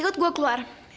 ikut gue keluar